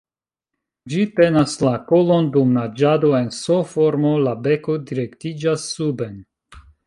Ĝi tenas la kolon dum naĝado en S-formo, la beko direktiĝas suben.